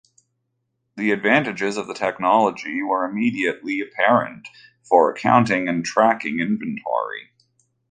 The advantages of the technology were immediately apparent for accounting and tracking inventory.